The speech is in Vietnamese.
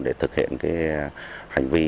để thực hiện hành vi